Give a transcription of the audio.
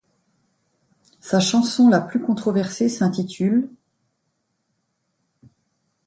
Sa chanson la plus controversée s'intitule '.